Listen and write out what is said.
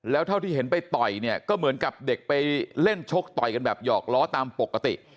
แล้วเท่าที่เห็นไปต่อยเนี่ยก็เหมือนกับเด็กไปเล่นชกต่อยกันแบบหยอกล้อตามปกติ